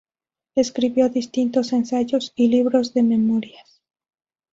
Escribió distintos ensayos y libros de memorias.